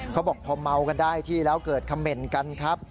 เขาบอกพอเมากันได้ที่แล้วเกิดคำเหม็นกันครับ